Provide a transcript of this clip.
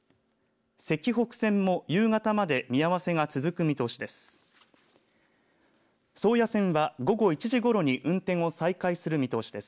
石北線も夕方まで運行の見合わせが続く見通しです。